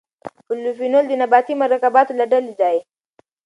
پولیفینول د نباتي مرکباتو له ډلې دي.